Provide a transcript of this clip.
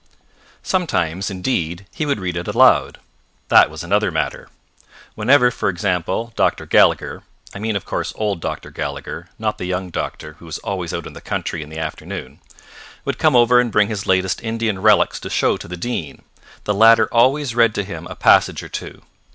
Sometimes, indeed, he would read it aloud. That was another matter. Whenever, for example, Dr. Gallagher I mean, of course, old Dr. Gallagher, not the young doctor (who was always out in the country in the afternoon) would come over and bring his latest Indian relics to show to the Dean, the latter always read to him a passage or two.